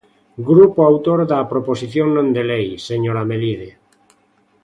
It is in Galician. Grupo autor da proposición non de lei, señora Melide.